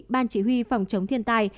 ban chỉ huy phòng chống thiên tai